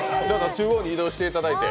中央に移動していただいて。